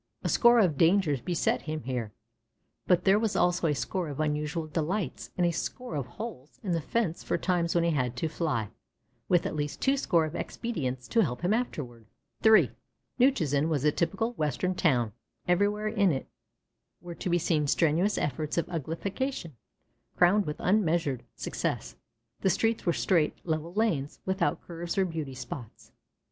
A score of dangers beset him here, but there was also a score of unusual delights and a score of holes in the fence for times when he had to fly, with at least twoscore of expedients to help him afterward. III Newchusen was a typical Western town. Everywhere in it, were to be seen strenuous efforts at uglification, crowned with unmeasured success. The streets were straight level lanes without curves or beauty spots.